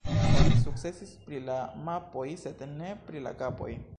Oni sukcesis pri la mapoj sed ne pri la kapoj.